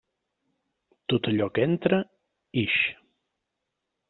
Tot allò que entra, ix.